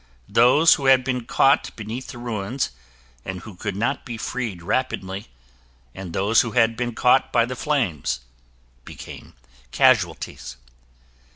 Those who had been caught beneath the ruins and who could not be freed rapidly, and those who had been caught by the flames, became casualties.